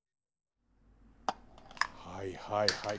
はいはいはい。